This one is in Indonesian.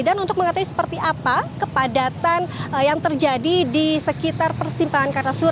dan untuk mengatakan seperti apa kepadatan yang terjadi di sekitar persimpangan kartasura